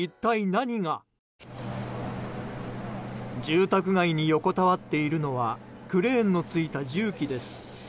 住宅街に横たわっているのはクレーンのついた重機です。